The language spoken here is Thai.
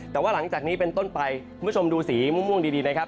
แต่ว่าหลังจากนี้เป็นต้นไปคุณผู้ชมดูสีม่วงดีนะครับ